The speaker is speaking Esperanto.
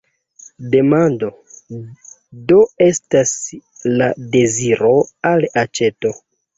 Demando, do, estas la deziro al aĉeto.